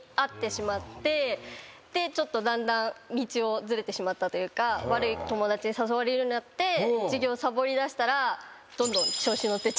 ちょっとだんだん道をずれてしまったというか悪い友達に誘われるようになって授業サボりだしたら。